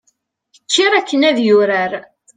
kker akken ad yurar